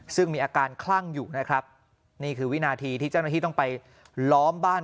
ซึ่งมีอาการคลั่งอยู่นะครับนี่คือวินาทีที่เจ้าหน้าที่ต้องไปล้อมบ้าน